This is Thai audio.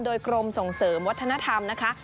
โดยกรมส่งเสริมวัฒนธรรมนะคะ